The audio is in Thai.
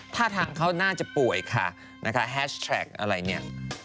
ท่าทางเขาน่าจะป่วยค่ะนะคะแฮชแท็กอะไรเนี่ย